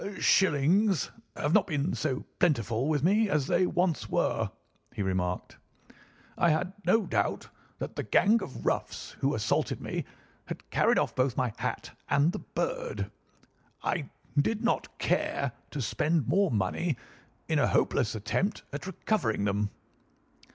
"Shillings have not been so plentiful with me as they once were," he remarked. "I had no doubt that the gang of roughs who assaulted me had carried off both my hat and the bird. I did not care to spend more money in a hopeless attempt at recovering them."